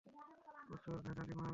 প্রচুর ভেজালি মাল।